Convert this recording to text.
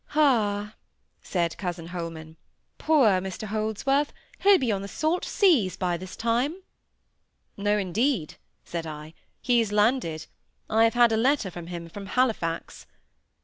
"Ah," said cousin Holman, "poor Mr Holdsworth, he'll be on the salt seas by this time!" "No, indeed," said I, "he's landed. I have had a letter from him from Halifax."